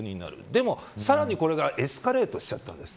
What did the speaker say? でも、さらにこれがエスカレートしちゃったんです。